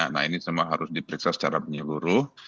nah ini semua harus diperiksa secara menyeluruh